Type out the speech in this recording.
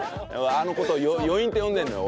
あの事を余韻って呼んでるのよ